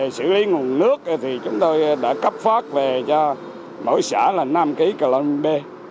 sử lý nguồn nước thì chúng tôi đã cấp phát về cho mỗi xã là năm kg cà lôn b